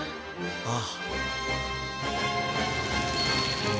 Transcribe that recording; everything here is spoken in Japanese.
ああ。